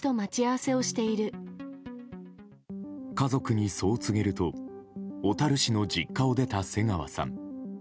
家族にそう告げると小樽市の実家を出た瀬川さん。